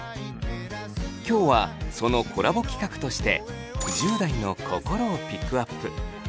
今日はそのコラボ企画として１０代の「こころ」をピックアップ。